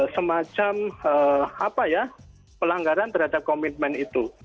semacam pelanggaran terhadap komitmen itu